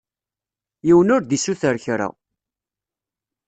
Yiwen ur d-isuter kra.